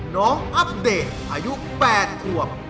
น้องอัปเดตอายุ๘อวบ